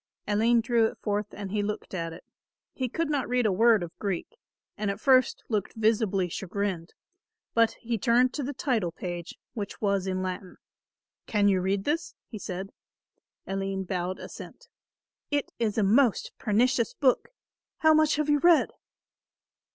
Aline drew it forth and he looked at it. He could not read a word of Greek, and at first looked visibly chagrined; but he turned to the title page, which was in Latin. "Can you read this?" he said. Aline bowed assent. "It is a most pernicious book. How much have you read?"